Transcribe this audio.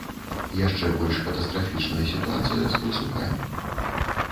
Яшчэ больш катастрафічная сітуацыя з барсукамі.